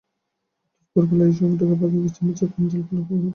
অথচ ভোরবেলার এই সময়টায় পাখির কিচিরমিচিরে কান ঝালাপালা হবার কথা!